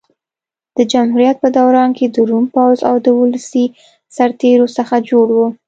د جمهوریت په دوران کې د روم پوځ له ولسي سرتېرو څخه جوړ و.